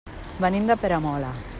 Venim de Peramola.